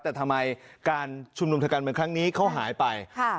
แต่ทำไมการชุมนุมทางการเมืองครั้งนี้เขาหายไป